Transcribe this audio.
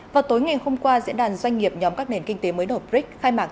vào tối ngày hôm qua diễn đàn doanh nghiệp nhóm các nền kinh tế mới đổ brick khai mạng